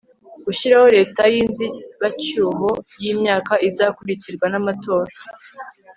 gushyiraho leta y'inzibacyuho y'imyaka izakurikirwa n'amatora